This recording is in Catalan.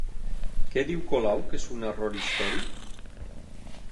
Què diu Colau que és un error històric?